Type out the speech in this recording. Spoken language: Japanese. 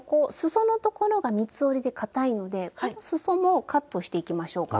そのところが三つ折りでかたいのですそもカットしていきましょうか。